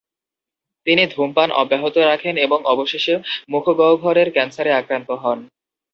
তিনি ধূমপান অব্যহত রাখেন, এবং অবশেষে মুখগহ্বরের ক্যান্সারে আক্রান্ত হন।